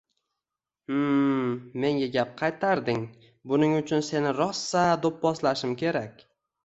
Hm-m, menga gap qaytarding. Buning uchun seni rosa doʻpposlashim kerak.